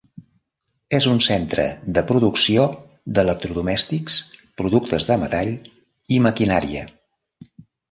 És un centre de producció d'electrodomèstics, productes de metall, i maquinària.